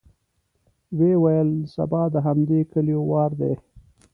ويې ويل: سبا د همدې کليو وار دی.